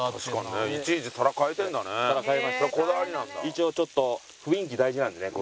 一応ちょっと雰囲気大事なんでね。